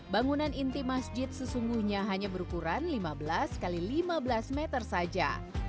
bangunan inti masjid sesungguhnya hanya berukuran lima belas x lima belas meter saja